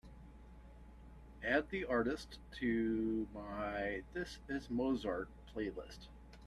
Add the artist to my This Is Mozart playlist.